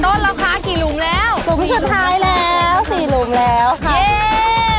กี่ต้นแล้วคะกี่หลุมแล้วหลุมสุดท้ายแล้ว๔หลุมแล้วค่ะ